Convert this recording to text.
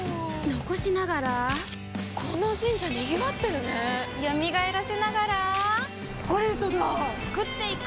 残しながらこの神社賑わってるね蘇らせながらコレドだ創っていく！